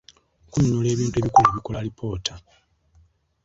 Okunnyonnyola ebintu ebikulu ebikola alipoota.